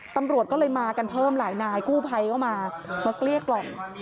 ตำรวจก็เลยมากันเพิ่มหลายนายกู้ภัยก็มามาเกลี้ยกล่อม